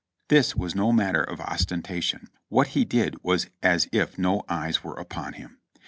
This was no matter of os tentation ; what he did was as if no eyes were upon him.